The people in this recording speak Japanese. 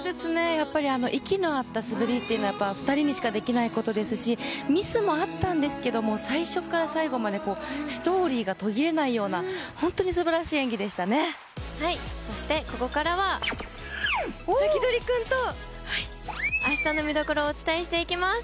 やっぱりあの息の合った滑りというのは２人にしかできないことですしミスもあったんですけれども最初から最後までストーリーが途切れないようなはい、そしてここからはサキドリくんとあしたの見どころをお伝えしていきます。